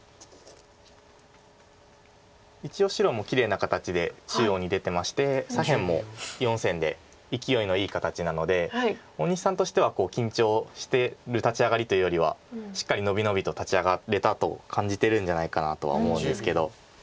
一応白もきれいな形で中央に出てまして左辺も４線でいきおいのいい形なので大西さんとしては緊張してる立ち上がりというよりはしっかり伸び伸びと立ち上がれたと感じてるんじゃないかなとは思うんですけど。